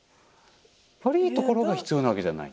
悪いところが必要なわけじゃない？